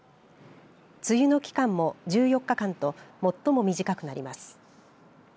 梅雨の期間も１４日間と最も短くなります。